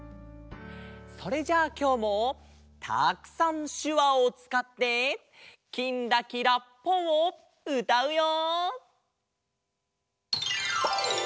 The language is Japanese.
それじゃあきょうもたくさんしゅわをつかって「きんらきらぽん」をうたうよ！